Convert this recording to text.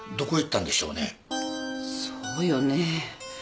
そうよね。